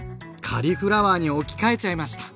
カリフラワーに置き換えちゃいました！